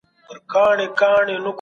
زاني ته د شریعت له مخي سزا ورکول کېږي.